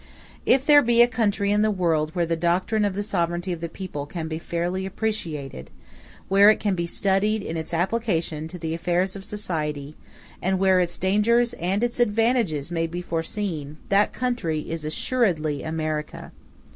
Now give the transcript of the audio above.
If there be a country in the world where the doctrine of the sovereignty of the people can be fairly appreciated, where it can be studied in its application to the affairs of society, and where its dangers and its advantages may be foreseen, that country is assuredly America.